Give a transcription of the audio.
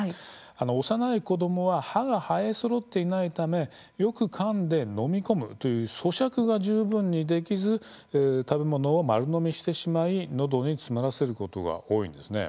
幼い子どもは歯が生えそろっていないためよくかんで飲み込むというそしゃくが十分にできず食べ物を丸飲みしてしまいのどに詰まらせることが多いんです。